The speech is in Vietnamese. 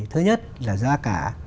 thứ nhất là giá cả